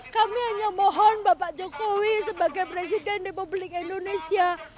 kami hanya mohon bapak jokowi sebagai presiden republik indonesia